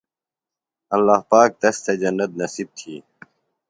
اللہ پاک تس تھےۡ جنت نصیب تھی